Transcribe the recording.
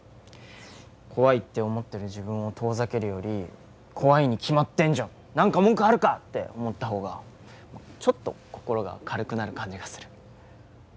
コワいって思ってる自分を遠ざけるより「コワいに決まってんじゃん何か文句あるか！？」って思った方がちょっと心が軽くなる感じがする。